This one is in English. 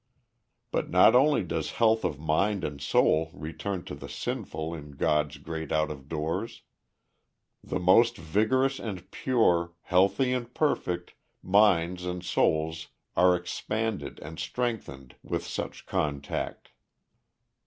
But not only does health of mind and soul return to the sinful in God's great out of doors: the most vigorous and pure, healthy and perfect, minds and souls are expanded and strengthened with such contact.